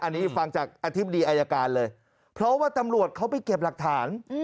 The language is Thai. อันนี้ฟังจากอธิบดีอายการเลยเพราะว่าตำรวจเขาไปเก็บหลักฐาน